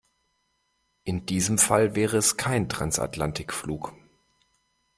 In diesem Fall wäre es kein Transatlantikflug.